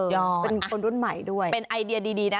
เป็นคนรุ่นใหม่ด้วยเป็นไอเดียดีนะ